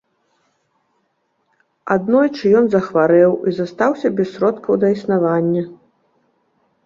Аднойчы ён захварэў і застаўся без сродкаў да існавання.